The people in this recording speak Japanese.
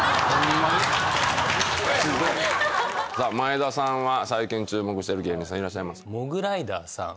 眞栄田さんは最近注目してる芸人さんいらっしゃいますか？